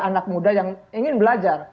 anak muda yang ingin belajar